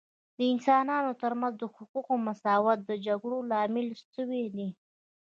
د انسانانو ترمنځ د حقوقو مساوات د جګړو لامل سوی دی